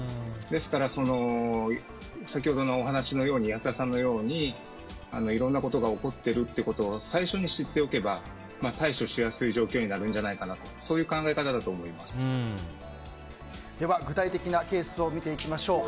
ですから、先ほどのお話の安田さんのようにいろんなことが起こってるということを最初に知っておけば対処しやすい状況になるんじゃないかなとでは具体的なケースを見ていきましょう。